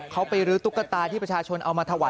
เขาไปรื้อตุ๊กตาที่ประชาชนเอามาถวาย